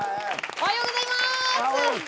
おはようございます。